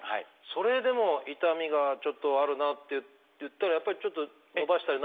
それでも痛みがちょっとあるなといったらやっぱりちょっと伸ばしたり。